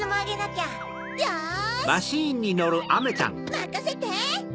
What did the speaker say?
まかせて！